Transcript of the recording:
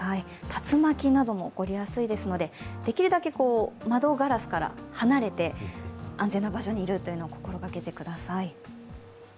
竜巻なども起こりやすいですのでできるだけ窓ガラスから離れて安全な場所に移動というのを心がけてください。